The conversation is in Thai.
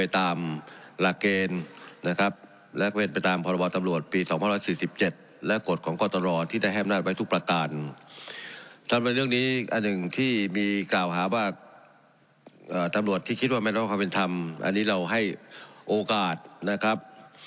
ท่านตำรวจที่คิดว่าไม่รักความเป็นธรรมอันนี้เราให้โอกาสนะครับ